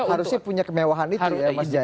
harusnya punya kemewahan itu ya mas jaya